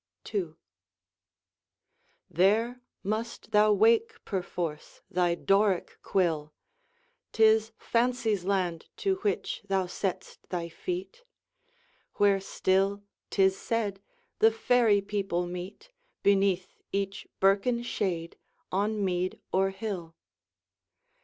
II There must thou wake perforce thy Doric quill; 'Tis Fancy's land to which thou sett'st thy feet, Where still, 'tis said, the fairy people meet Beneath each birken shade on mead or hill.